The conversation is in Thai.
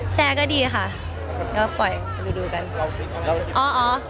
แชร์ก็ดีค่า